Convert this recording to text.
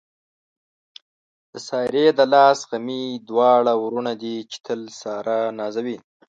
د سارې د لاس غمي دواړه وروڼه دي، چې تل ساره نازوي.